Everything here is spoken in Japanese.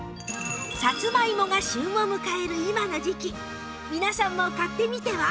さつまいもが旬を迎える今の時期皆さんも買ってみては？